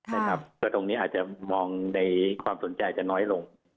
เพราะตรงนี้อาจจะมองในความสนใจจะน้อยลง